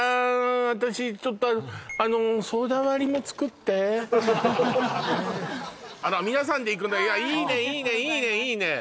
私ちょっとあのあのソーダ割りも作って皆さんでいくんだいやいいねいいねいいねいいね